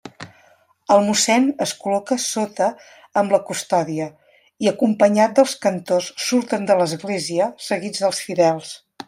El mossèn es col·loca sota amb la custòdia, i acompanyat dels cantors surten de l'església, seguits dels fidels.